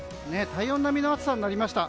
体温並みの暑さになりました。